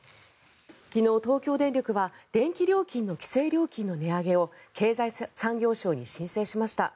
昨日、東京電力は電気料金の規制料金の値上げを経済産業省に申請しました。